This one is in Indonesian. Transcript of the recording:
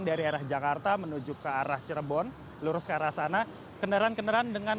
dari arah jakarta menuju ke arah cirebon lurus ke arah sana kendaraan kendaraan dengan